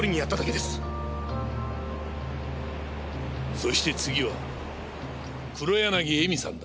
そして次は黒柳恵美さんだ。